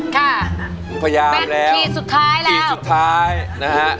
ค่ะพยายามแล้วขีดสุดท้ายแล้วขีดสุดท้ายนะฮะ